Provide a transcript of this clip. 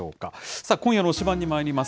さあ、今夜の推しバン！にまいります。